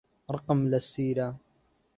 ڕقم لە سیرە.